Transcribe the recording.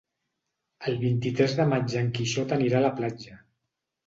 El vint-i-tres de maig en Quixot anirà a la platja.